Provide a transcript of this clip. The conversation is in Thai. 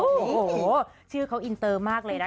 โอ้โหชื่อเขาอินเตอร์มากเลยนะคะ